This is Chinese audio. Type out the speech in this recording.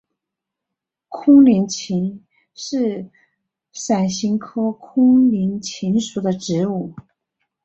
空棱芹是伞形科空棱芹属的植物。